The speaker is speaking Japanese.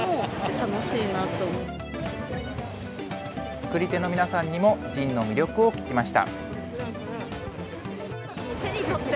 作り手の皆さんにも、ＺＩＮＥの魅力を聞きました。